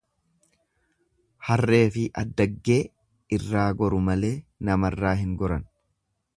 Harreefi addaggee irraa goru malee namarraa hin goran.